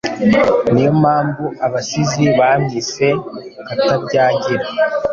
Ni yo mpamvu abasizi bamwise Katabyagira